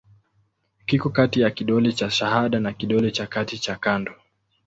Kiko kati ya kidole cha shahada na kidole cha kati cha kando.